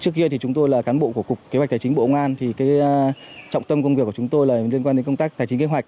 trước kia thì chúng tôi là cán bộ của cục kế hoạch tài chính bộ công an thì cái trọng tâm công việc của chúng tôi là liên quan đến công tác tài chính kế hoạch